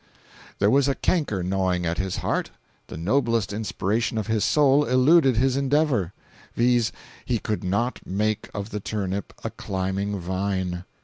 There was a canker gnawing at his heart; the noblest inspiration of his soul eluded his endeavor—viz: he could not make of the turnip a climbing vine.